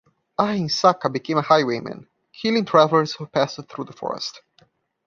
Ahimsaka became a highwayman, killing travellers who passed through the forest.